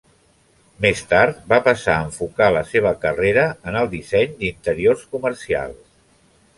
Més tard, va passar a enfocar la seva carrera en el disseny d'interiors comercials.